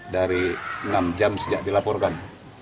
dari enam jam sejak dilaporkan